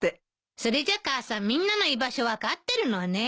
それじゃ母さんみんなの居場所分かってるのね。